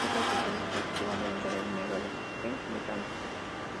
Es el tercer dispositivo móvil de la línea Galaxy J de Samsung.